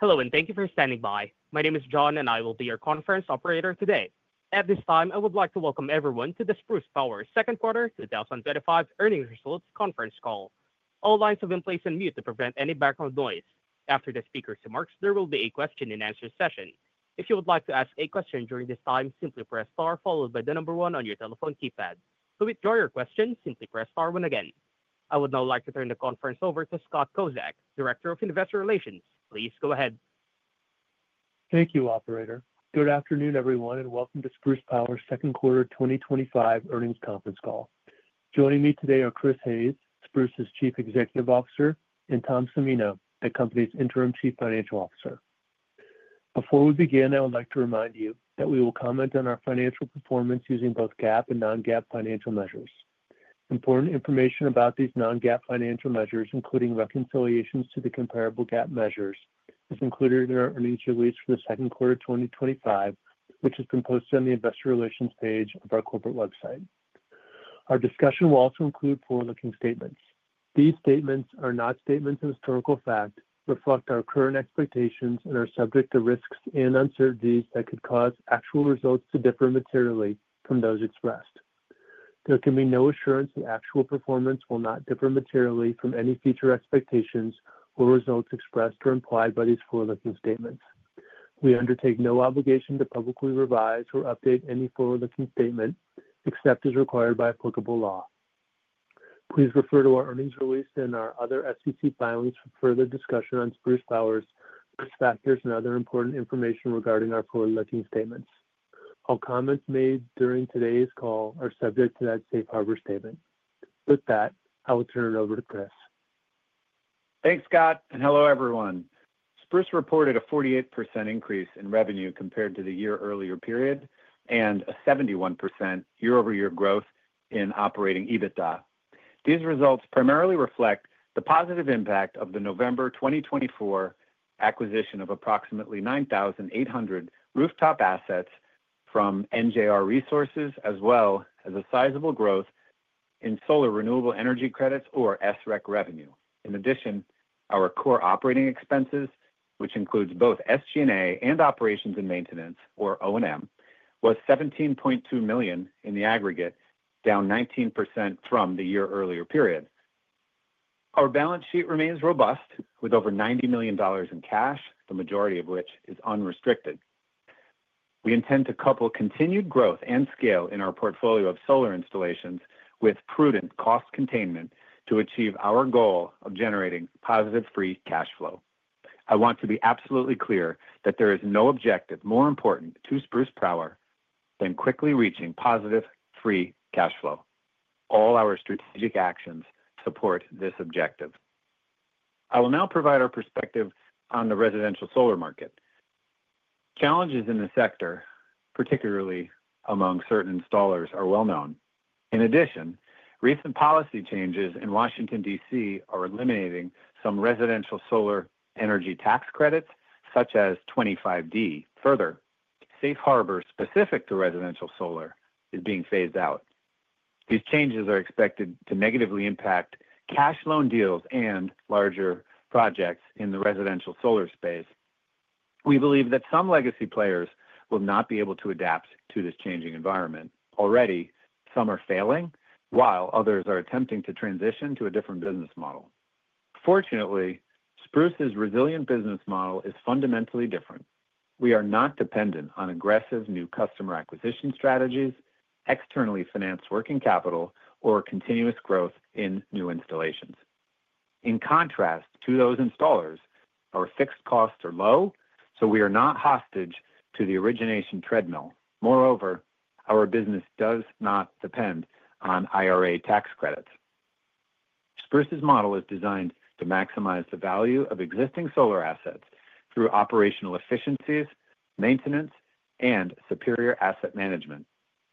Hello and thank you for standing by. My name is John and I will be your conference operator today. At this time, I would like to welcome everyone to the Spruce Power Holding Corporation second quarter 2025 earnings results conference call. All lines have been placed on mute to prevent any background noise. After the speaker's remarks, there will be a question and answer session. If you would like to ask a question during this time, simply press star followed by the number one on your telephone keypad. To withdraw your question, simply press star one again. I would now like to turn the conference over to Scott Kozak, Director of Investor Relations. Please go ahead. Thank you, Operator. Good afternoon, everyone, and welcome to Spruce Power Holding Corporation's second quarter 2025 earnings conference call. Joining me today are Chris Hayes, Spruce Power Holding Corporation's Chief Executive Officer, and Thomas J. Cimino, the company's Interim Chief Financial Officer. Before we begin, I would like to remind you that we will comment on our financial performance using both GAAP and non-GAAP financial measures. Important information about these non-GAAP financial measures, including reconciliations to the comparable GAAP measures, is included in our earnings release for the second quarter 2025, which has been posted on the Investor Relations page of our corporate website. Our discussion will also include forward-looking statements. These statements are not statements of historical fact, reflect our current expectations, and are subject to risks and uncertainties that could cause actual results to differ materially from those expressed. There can be no assurance that actual performance will not differ materially from any future expectations or results expressed or implied by these forward-looking statements. We undertake no obligation to publicly revise or update any forward-looking statement except as required by applicable law. Please refer to our earnings release and our other SEC filings for further discussion on Spruce Power Holding Corporation's risk factors and other important information regarding our forward-looking statements. All comments made during today's call are subject to that safe harbor statement. With that, I will turn it over to Chris. Thanks, Scott, and hello everyone. Spruce reported a 48% increase in revenue compared to the year earlier period and a 71% year-over-year growth in operating EBITDA. These results primarily reflect the positive impact of the November 2024 acquisition of approximately 9,800 rooftop assets from NJR Resources, as well as a sizable growth in solar renewable energy credits, or SREC revenue. In addition, our core operating expenses, which includes both SG&A and operations and maintenance, or O&M, was $17.2 million in the aggregate, down 19% from the year earlier period. Our balance sheet remains robust with over $90 million in cash, the majority of which is unrestricted. We intend to couple continued growth and scale in our portfolio of solar installations with prudent cost containment to achieve our goal of generating positive free cash flow. I want to be absolutely clear that there is no objective more important to Spruce Power than quickly reaching positive free cash flow. All our strategic actions support this objective. I will now provide our perspective on the residential solar market. Challenges in the sector, particularly among certain installers, are well known. In addition, recent policy changes in Washington, D.C. are eliminating some residential solar energy tax credits, such as 25D. Further, safe harbor specific to residential solar is being phased out. These changes are expected to negatively impact cash loan deals and larger projects in the residential solar space. We believe that some legacy players will not be able to adapt to this changing environment. Already, some are failing, while others are attempting to transition to a different business model. Fortunately, Spruce's resilient business model is fundamentally different. We are not dependent on aggressive new customer acquisition strategies, externally financed working capital, or continuous growth in new installations. In contrast to those installers, our fixed costs are low, so we are not hostage to the origination treadmill. Moreover, our business does not depend on IRA tax credits. Spruce's model is designed to maximize the value of existing solar assets through operational efficiencies, maintenance, and superior asset management.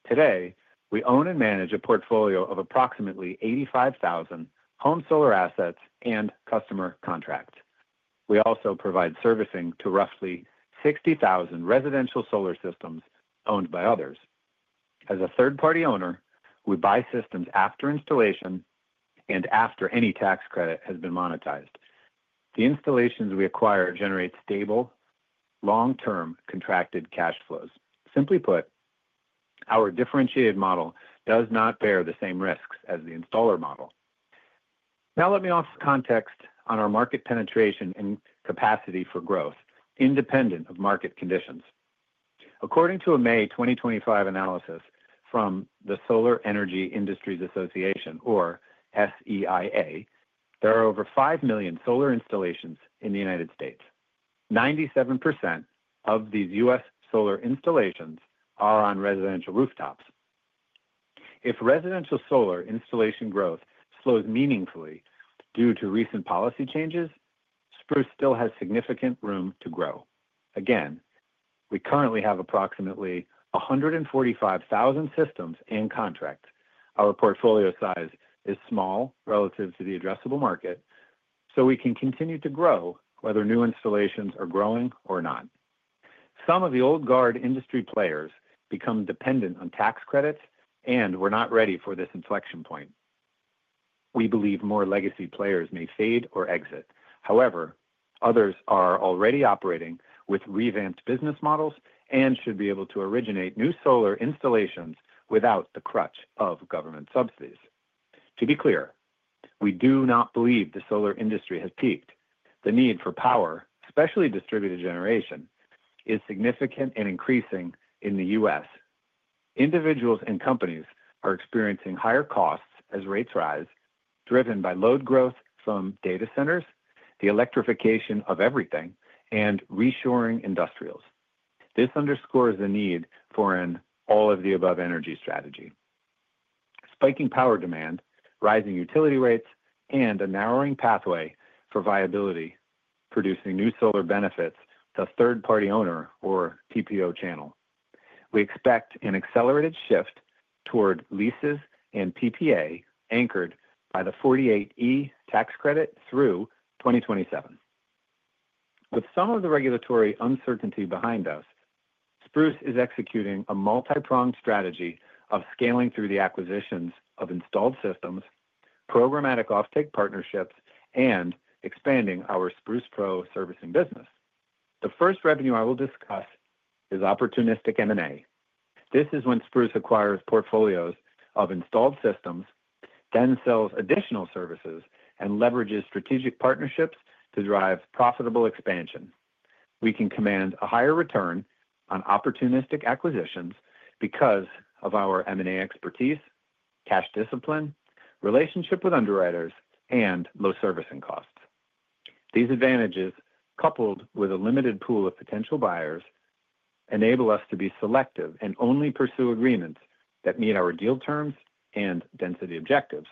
Today, we own and manage a portfolio of approximately 85,000 home solar assets and customer contracts. We also provide servicing to roughly 60,000 residential solar systems owned by others. As a third-party owner, we buy systems after installation and after any tax credit has been monetized. The installations we acquire generate stable, long-term contracted cash flows. Simply put, our differentiated model does not bear the same risks as the installer model. Now, let me offer context on our market penetration and capacity for growth, independent of market conditions. According to a May 2025 analysis from the Solar Energy Industries Association, or SEIA, there are over 5 million solar installations in the United States. 97% of these U.S. solar installations are on residential rooftops. If residential solar installation growth slows meaningfully due to recent policy changes, Spruce Power Holding Corporation still has significant room to grow. Again, we currently have approximately 145,000 systems in contracts. Our portfolio size is small relative to the addressable market, so we can continue to grow whether new installations are growing or not. Some of the old guard industry players become dependent on tax credits and were not ready for this inflection point. We believe more legacy players may fade or exit. However, others are already operating with revamped business models and should be able to originate new solar installations without the crutch of government subsidies. To be clear, we do not believe the solar industry has peaked. The need for power, especially distributed generation, is significant and increasing in the U.S. Individuals and companies are experiencing higher costs as rates rise, driven by load growth from data centers, the electrification of everything, and reshoring industrials. This underscores the need for an all-of-the-above energy strategy. Spiking power demand, rising utility rates, and a narrowing pathway for viability producing new solar benefits to a third-party owner or TPO channel. We expect an accelerated shift toward leases and PPA anchored by the 48E tax credit through 2027. With some of the regulatory uncertainty behind us, Spruce Power Holding Corporation is executing a multipronged strategy of scaling through the acquisitions of installed systems, programmatic offtake partnerships, and expanding our Spruce Pro servicing business. The first revenue I will discuss is opportunistic M&A. This is when Spruce Power Holding Corporation acquires portfolios of installed systems, then sells additional services, and leverages strategic partnerships to drive profitable expansion. We can command a higher return on opportunistic acquisitions because of our M&A expertise, cash discipline, relationship with underwriters, and low servicing costs. These advantages, coupled with a limited pool of potential buyers, enable us to be selective and only pursue agreements that meet our deal terms and density objectives.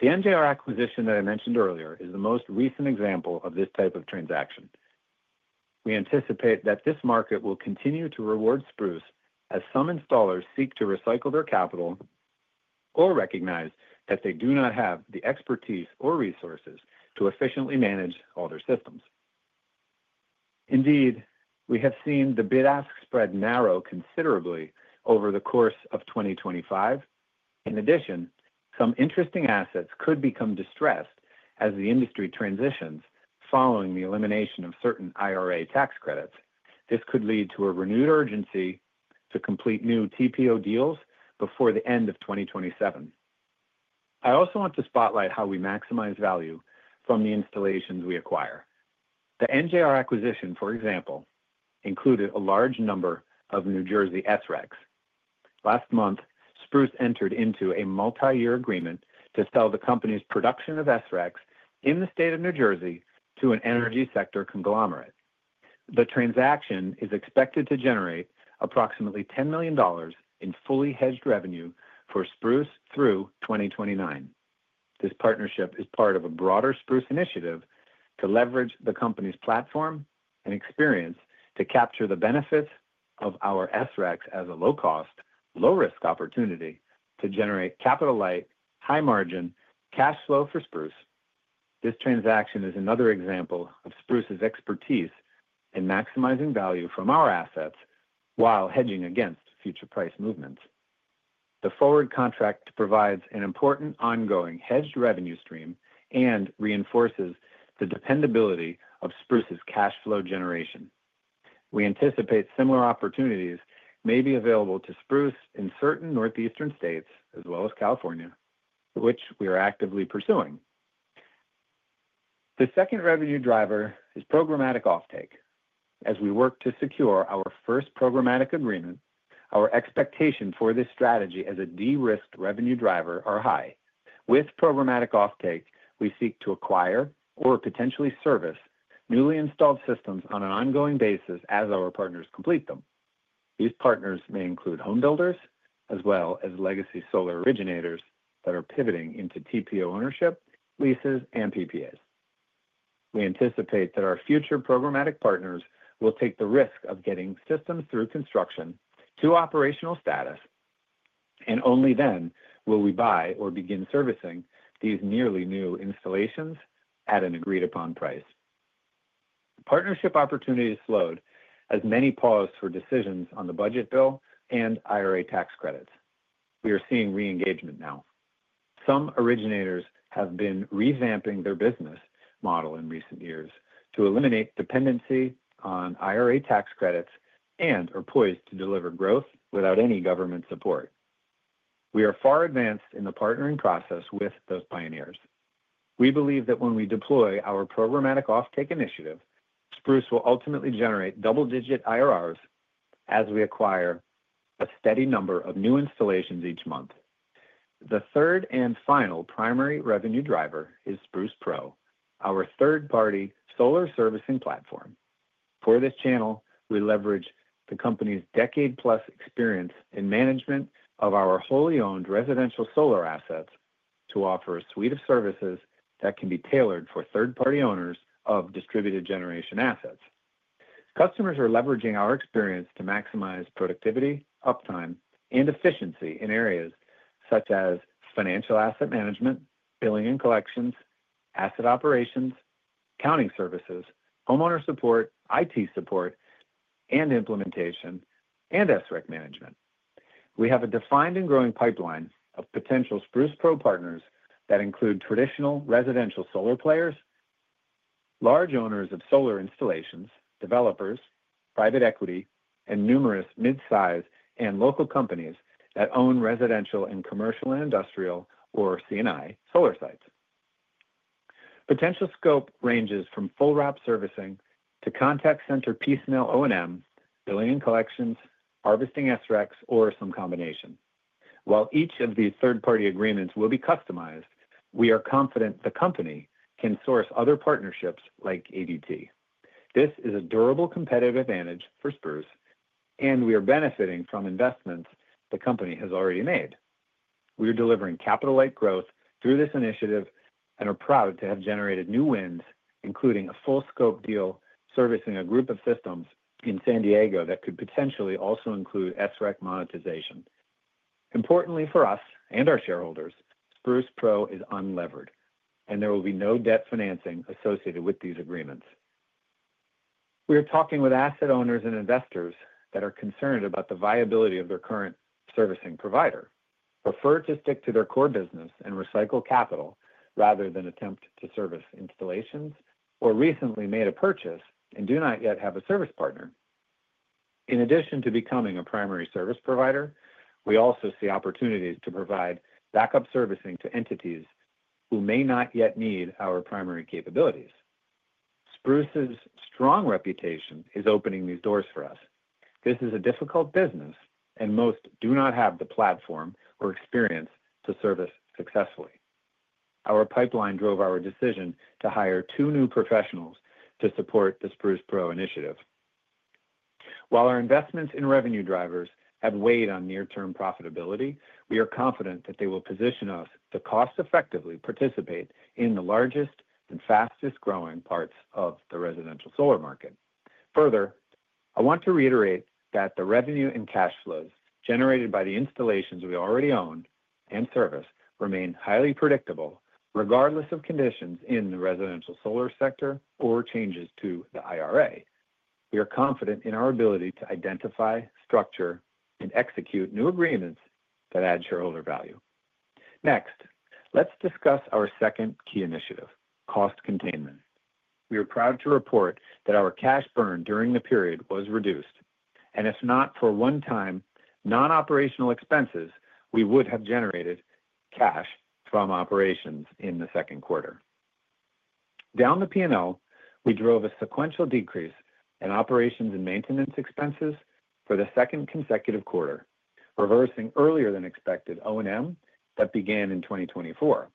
The NJR acquisition that I mentioned earlier is the most recent example of this type of transaction. We anticipate that this market will continue to reward Spruce Power Holding Corporation as some installers seek to recycle their capital or recognize that they do not have the expertise or resources to efficiently manage all their systems. Indeed, we have seen the bid-ask spread narrow considerably over the course of 2025. In addition, some interesting assets could become distressed as the industry transitions following the elimination of certain IRA tax credits. This could lead to a renewed urgency to complete new TPO deals before the end of 2027. I also want to spotlight how we maximize value from the installations we acquire. The NJR acquisition, for example, included a large number of New Jersey SRECs. Last month, Spruce Power Holding Corporation entered into a multi-year agreement to sell the company's production of SRECs in the state of New Jersey to an energy sector conglomerate. The transaction is expected to generate approximately $10 million in fully hedged revenue for Spruce Power Holding Corporation through 2029. This partnership is part of a broader Spruce Power Holding Corporation initiative to leverage the company's platform and experience to capture the benefits of our SRECs as a low-cost, low-risk opportunity to generate capital-light, high-margin cash flow for Spruce Power Holding Corporation. This transaction is another example of Spruce Power Holding Corporation's expertise in maximizing value from our assets while hedging against future price movements. The forward contract provides an important ongoing hedged revenue stream and reinforces the dependability of Spruce Power Holding Corporation's cash flow generation. We anticipate similar opportunities may be available to Spruce Power Holding Corporation in certain northeastern states, as well as California, which we are actively pursuing. The second revenue driver is programmatic offtake. As we work to secure our first programmatic agreement, our expectations for this strategy as a de-risked revenue driver are high. With programmatic offtake, we seek to acquire or potentially service newly installed systems on an ongoing basis as our partners complete them. These partners may include home builders as well as legacy solar originators that are pivoting into TPO ownership, leases, and PPAs. We anticipate that our future programmatic partners will take the risk of getting systems through construction to operational status, and only then will we buy or begin servicing these nearly new installations at an agreed-upon price. Partnership opportunities slowed as many paused for decisions on the budget bill and IRA tax credits. We are seeing re-engagement now. Some originators have been revamping their business model in recent years to eliminate dependency on IRA tax credits and are poised to deliver growth without any government support. We are far advanced in the partnering process with those pioneers. We believe that when we deploy our programmatic offtake initiative, Spruce will ultimately generate double-digit IRRs as we acquire a steady number of new installations each month. The third and final primary revenue driver is Spruce Pro, our third-party solar servicing platform. For this channel, we leverage the company's decade-plus experience in management of our wholly owned residential solar assets to offer a suite of services that can be tailored for third-party owners of distributed generation assets. Customers are leveraging our experience to maximize productivity, uptime, and efficiency in areas such as financial asset management, billing and collections, asset operations, accounting services, homeowner support, IT support and implementation, and SREC management. We have a defined and growing pipeline of potential Spruce Pro partners that include traditional residential solar players, large owners of solar installations, developers, private equity, numerous mid-size, local companies that own residential, commercial, and industrial or CNI solar sites. Potential scope ranges from full ROP servicing to contact center piecemeal O&M, billing and collections, harvesting SRECs, or some combination. While each of these third-party agreements will be customized, we are confident the company can source other partnerships like ADT Solar. This is a durable competitive advantage for Spruce, and we are benefiting from investments the company has already made. We are delivering capital-like growth through this initiative and are proud to have generated new wins, including a full-scope deal servicing a group of systems in San Diego that could potentially also include SREC monetization. Importantly for us and our shareholders, Spruce Pro is unlevered, and there will be no debt financing associated with these agreements. We are talking with asset owners and investors that are concerned about the viability of their current servicing provider, prefer to stick to their core business and recycle capital rather than attempt to service installations, or recently made a purchase and do not yet have a service partner. In addition to becoming a primary service provider, we also see opportunities to provide backup servicing to entities who may not yet need our primary capabilities. Spruce's strong reputation is opening these doors for us. This is a difficult business, and most do not have the platform or experience to service successfully. Our pipeline drove our decision to hire two new professionals to support the Spruce Pro initiative. While our investments in revenue drivers have weighed on near-term profitability, we are confident that they will position us to cost-effectively participate in the largest and fastest growing parts of the residential solar market. Further, I want to reiterate that the revenue and cash flows generated by the installations we already own and service remain highly predictable regardless of conditions in the residential solar sector or changes to the IRA. We are confident in our ability to identify, structure, and execute new agreements that add shareholder value. Next, let's discuss our second key initiative: cost containment. We are proud to report that our cash burn during the period was reduced, and if not for one-time non-operational expenses, we would have generated cash from operations in the second quarter. Down the P&L, we drove a sequential decrease in operations and maintenance expenses for the second consecutive quarter, reversing earlier-than-expected O&M that began in 2024.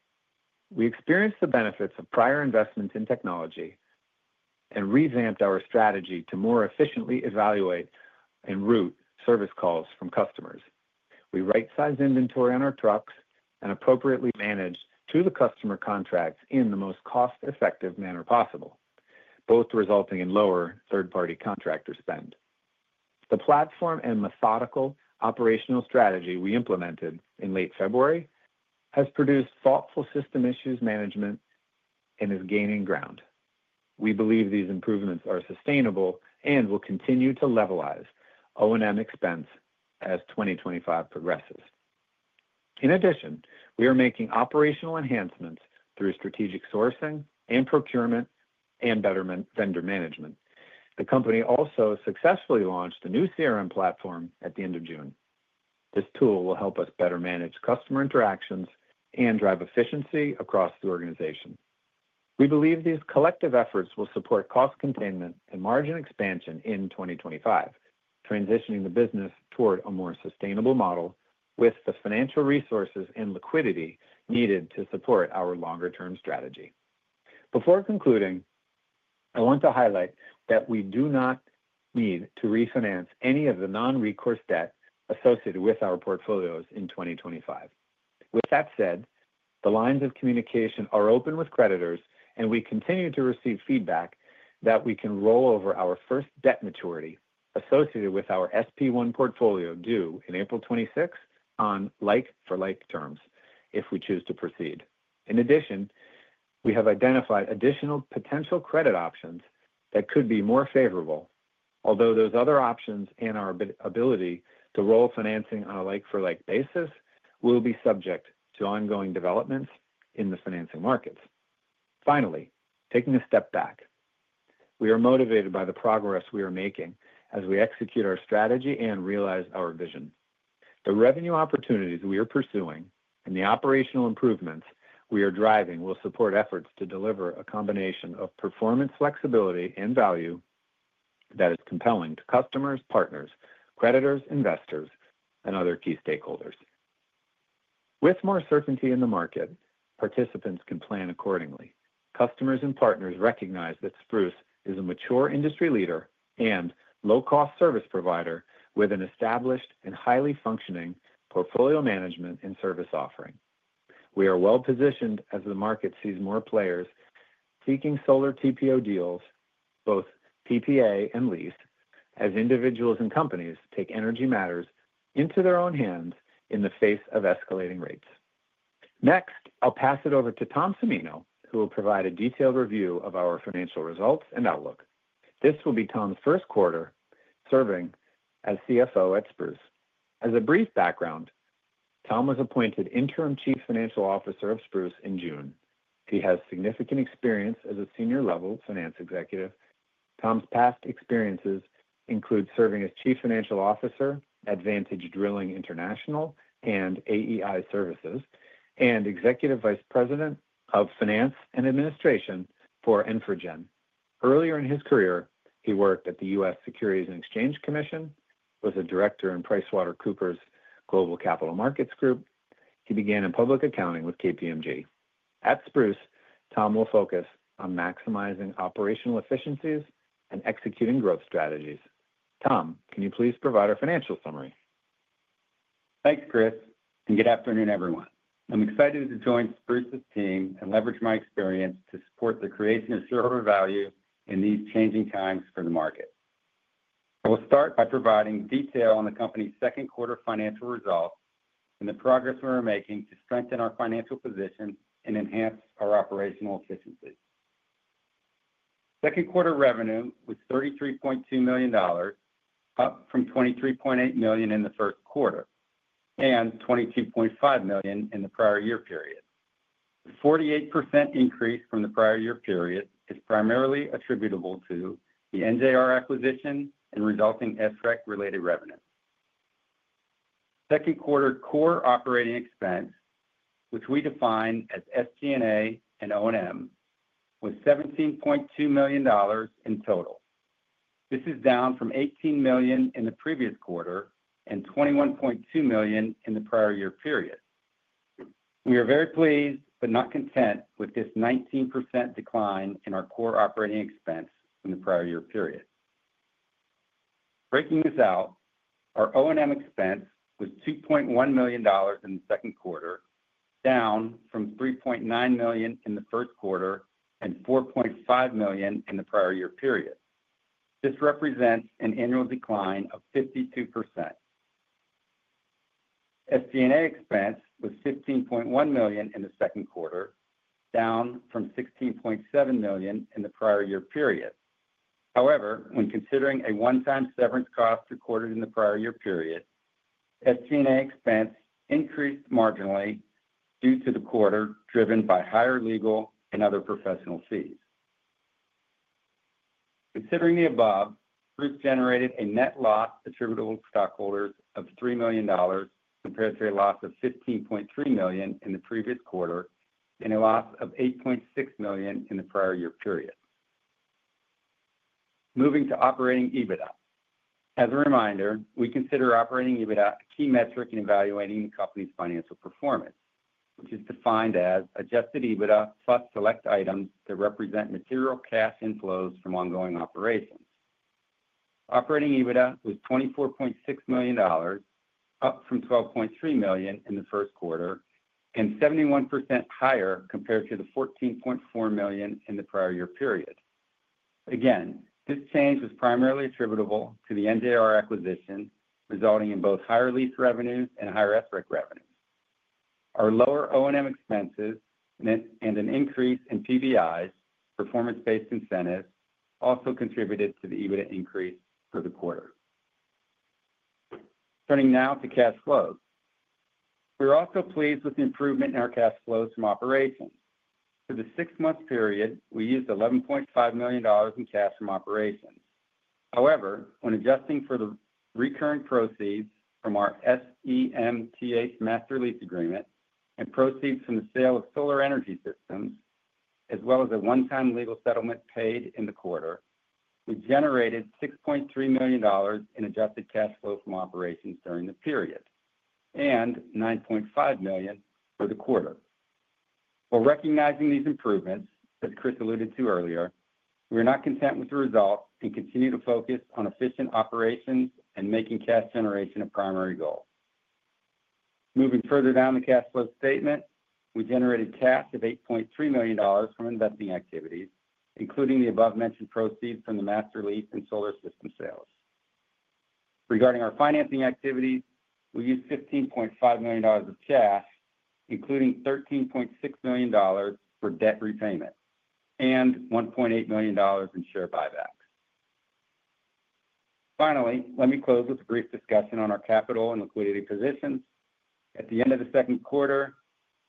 We experienced the benefits of prior investments in technology and revamped our strategy to more efficiently evaluate and route service calls from customers. We right-sized inventory on our trucks and appropriately managed to the customer contracts in the most cost-effective manner possible, both resulting in lower third-party contractor spend. The platform and methodical operational strategy we implemented in late February has produced thoughtful system issues management and is gaining ground. We believe these improvements are sustainable and will continue to levelize O&M expense as 2025 progresses. In addition, we are making operational enhancements through strategic sourcing and procurement and better vendor management. The company also successfully launched a new CRM platform at the end of June. This tool will help us better manage customer interactions and drive efficiency across the organization. We believe these collective efforts will support cost containment and margin expansion in 2025, transitioning the business toward a more sustainable model with the financial resources and liquidity needed to support our longer-term strategy. Before concluding, I want to highlight that we do not need to refinance any of the non-recourse debt associated with our portfolios in 2025. With that said, the lines of communication are open with creditors, and we continue to receive feedback that we can roll over our first debt maturity associated with our SP1 portfolio due in April 2026 on like-for-like terms if we choose to proceed. In addition, we have identified additional potential credit options that could be more favorable, although those other options and our ability to roll financing on a like-for-like basis will be subject to ongoing developments in the financing markets. Finally, taking a step back, we are motivated by the progress we are making as we execute our strategy and realize our vision. The revenue opportunities we are pursuing and the operational improvements we are driving will support efforts to deliver a combination of performance flexibility and value that is compelling to customers, partners, creditors, investors, and other key stakeholders. With more certainty in the market, participants can plan accordingly. Customers and partners recognize that Spruce is a mature industry leader and low-cost service provider with an established and highly functioning portfolio management and service offering. We are well positioned as the market sees more players seeking solar TPO deals, both PPA and lease, as individuals and companies take energy matters into their own hands in the face of escalating rates. Next, I'll pass it over to Tom Cimino, who will provide a detailed review of our financial results and outlook. This will be Tom's first quarter serving as CFO at Spruce. As a brief background, Tom was appointed Interim Chief Financial Officer of Spruce in June. He has significant experience as a senior-level finance executive. Tom's past experiences include serving as Chief Financial Officer at Vantage Drilling International and AEI Services and Executive Vice President of Finance and Administration for Infragen. Earlier in his career, he worked at the U.S. Securities and Exchange Commission, was a director in PricewaterhouseCoopers' Global Capital Markets Group. He began in public accounting with KPMG. At Spruce, Tom will focus on maximizing operational efficiencies and executing growth strategies. Tom, can you please provide our financial summary? Thanks, Chris, and good afternoon, everyone. I'm excited to join Spruce's team and leverage my experience to support the creation of shareholder value in these changing times for the market. I will start by providing detail on the company's second quarter financial results and the progress we're making to strengthen our financial position and enhance our operational efficiency. Second quarter revenue was $33.2 million, up from $23.8 million in the first quarter and $22.5 million in the prior year period. The 48% increase from the prior year period is primarily attributable to the NJR acquisition and resulting SREC-related revenue. Second quarter core operating expense, which we define as SG&A and O&M, was $17.2 million in total. This is down from $18 million in the previous quarter and $21.2 million in the prior year period. We are very pleased but not content with this 19% decline in our core operating expense from the prior year period. Breaking this out, our O&M expense was $2.1 million in the second quarter, down from $3.9 million in the first quarter and $4.5 million in the prior year period. This represents an annual decline of 52%. SG&A expense was $15.1 million in the second quarter, down from $16.7 million in the prior year period. However, when considering a one-time severance cost recorded in the prior year period, SG&A expense increased marginally due to the quarter driven by higher legal and other professional fees. Considering the above, Spruce generated a net loss attributable to stockholders of $3 million compared to a loss of $15.3 million in the previous quarter and a loss of $8.6 million in the prior year period. Moving to operating EBITDA. As a reminder, we consider operating EBITDA a key metric in evaluating the company's financial performance, which is defined as adjusted EBITDA plus select items that represent material cash inflows from ongoing operations. Operating EBITDA was $24.6 million, up from $12.3 million in the first quarter and 71% higher compared to the $14.4 million in the prior year period. Again, this change was primarily attributable to the NJR acquisition, resulting in both higher lease revenue and higher SREC revenue. Our lower O&M expenses and an increase in PBIs, performance-based incentives, also contributed to the EBITDA increase for the quarter. Turning now to cash flows, we're also pleased with the improvement in our cash flows from operations. For the six-month period, we used $11.5 million in cash from operations. However, when adjusting for the recurring proceeds from our SEMTA Master Lease Agreement and proceeds from the sale of solar energy systems, as well as a one-time legal settlement paid in the quarter, we generated $6.3 million in adjusted cash flow from operations during the period and $9.5 million for the quarter. While recognizing these improvements that Chris alluded to earlier, we are not content with the result and continue to focus on efficient operations and making cash generation a primary goal. Moving further down the cash flow statement, we generated cash of $8.3 million from investing activities, including the above-mentioned proceeds from the master lease and solar system sales. Regarding our financing activities, we used $15.5 million of cash, including $13.6 million for debt repayment and $1.8 million in share buybacks. Finally, let me close with a brief discussion on our capital and liquidity position. At the end of the second quarter,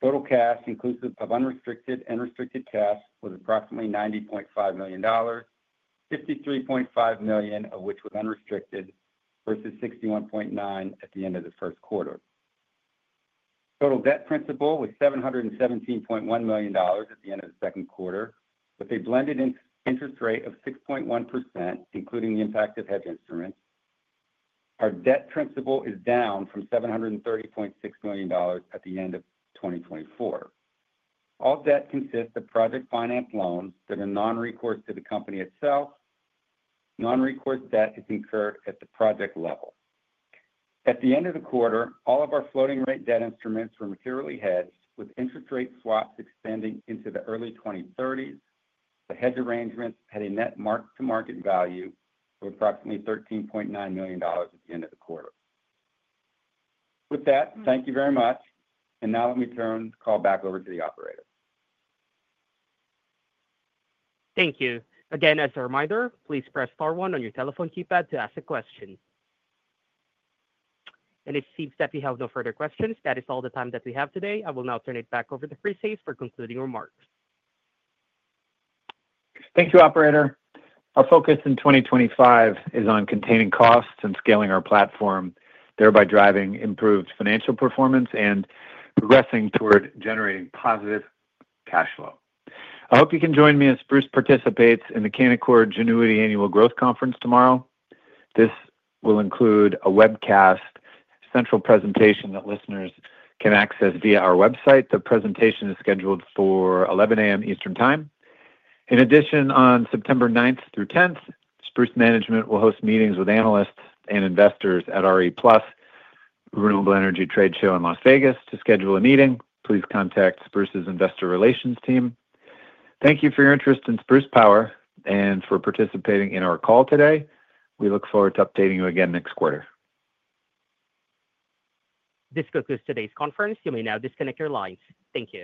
total cash inclusive of unrestricted and restricted cash was approximately $90.5 million, $53.5 million of which was unrestricted versus $61.9 million at the end of the first quarter. Total debt principal was $717.1 million at the end of the second quarter, with a blended interest rate of 6.1%, including the impact of hedge instruments. Our debt principal is down from $730.6 million at the end of 2024. All debt consists of project finance loans that are non-recourse to the company itself. Non-recourse debt is incurred at the project level. At the end of the quarter, all of our floating rate debt instruments were materially hedged with interest rate swaps extending into the early 2030s. The hedge arrangements had a net mark-to-market value of approximately $13.9 million at the end of the quarter. With that, thank you very much, and now let me turn the call back over to the operator. Thank you. As a reminder, please press star one on your telephone keypad to ask a question. It seems that we have no further questions. That is all the time that we have today. I will now turn it back over to Chris Hayes for concluding remarks. Thank you, Operator. Our focus in 2025 is on containing costs and scaling our platform, thereby driving improved financial performance and progressing toward generating positive cash flow. I hope you can join me as Spruce participates in the Canaccord Genuity Annual Growth Conference tomorrow. This will include a webcast central presentation that listeners can access via our website. The presentation is scheduled for 11:00 A.M. Eastern Time. In addition, on September 9th through 10th, Spruce management will host meetings with analysts and investors at RE Plus Renewable Energy Trade Show in Las Vegas. To schedule a meeting, please contact Spruce's Investor Relations team. Thank you for your interest in Spruce Power and for participating in our call today. We look forward to updating you again next quarter. This concludes today's conference. You may now disconnect your lines. Thank you.